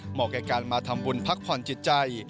เหมาะกับการมาทำบุญพักผ่อนจิตใจ